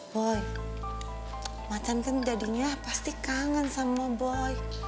boy macan kan jadinya pasti kangen sama boy